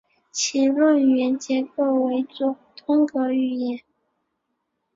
其论元结构为作通格语言。